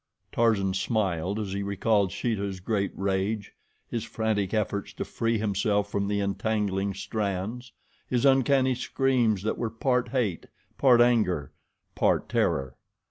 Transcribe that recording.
Tarzan smiled as he recalled Sheeta's great rage, his frantic efforts to free himself from the entangling strands, his uncanny screams that were part hate, part anger, part terror.